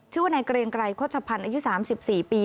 ชื่อว่านายเกลียงไกรก็จะพันอายุสามสิบสี่ปี